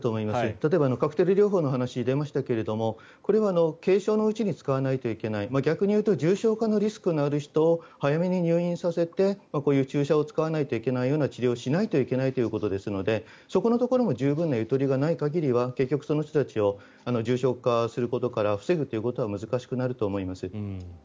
例えばカクテル療法の話が出ましたがこれは軽症のうちに使わないといけない逆に言うと重症化リスクのある人を早めに入院させてこういう注射を使わないといけないような治療をしないといけないということですのでそこのところも十分なゆとりがない以上は結局その人たちを重症化することから防ぐということは難しくなると思います。